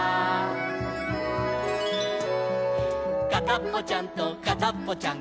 「かたっぽちゃんとかたっぽちゃん